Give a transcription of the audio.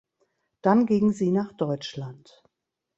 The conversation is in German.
Dann ging sie nach Deutschland.